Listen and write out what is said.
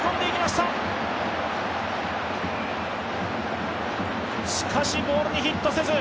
しかしボールにヒットせず。